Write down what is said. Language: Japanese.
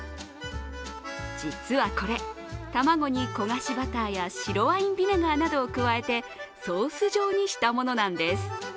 実はこれ、卵に焦がしバターや白ワインビネガーなどを加えてソース状にしたものなんです。